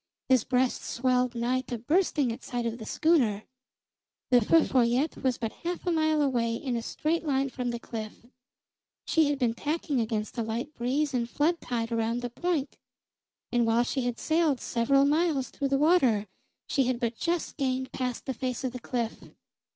His breast swelled nigh to bursting at sight of the schooner. The Feu Follette was but half a mile away in a straight line from the cliff; she had been tacking against a light breeze and flood tide around the Point, and while she had sailed several miles through the water, she had but just gained past the face of the cliff.